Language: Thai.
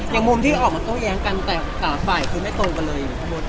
อย่างมุมที่ออกมาแย้งกันแต่ตลาดถาลคือไม่โตกันเลย